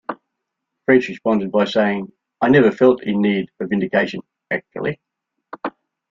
'- French responded by saying, 'I never felt in need of vindication, actually.